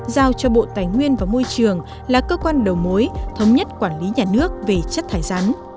giao cho bộ tài nguyên và môi trường là cơ quan đầu mối thống nhất quản lý nhà nước về chất thải rắn